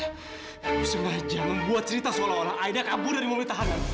kamu sengaja membuat cerita seolah olah ayahnya kabur dari mobil tahanan